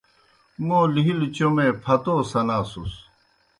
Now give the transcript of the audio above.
موں لِھیلوْ چوْمے پھتو سناسُس۔